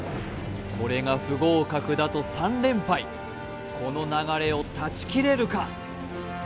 これが不合格だと３連敗この流れを断ち切れるか？